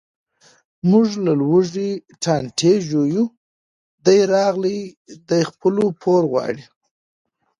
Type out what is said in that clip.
موږ له لوږې ټانټې ژویو، دی راغلی دی خپل پور غواړي.